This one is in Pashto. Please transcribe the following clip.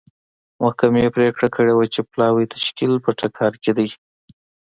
محکمې پرېکړه کړې وه چې پلاوي تشکیل په ټکر کې دی.